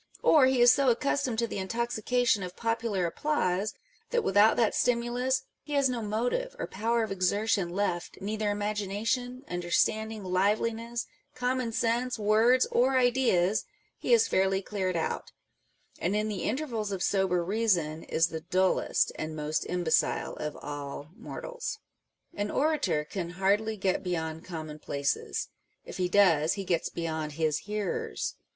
Or he is so accustomed to the intoxication of popular applause, that without that stimulus he has no motive or power of exertion left â€" neither imagination, understanding, liveliness, common sense, words, or ideas â€" he is fairly cleared out; and in the intervals of sober reason, is the dullest and most imbecile of all mortals. An orator can hardly get beyond commonplaces : if he does, he gets beyond his hearers.